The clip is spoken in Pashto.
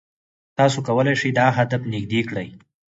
تاسو کولای شئ دا هدف نږدې کړئ.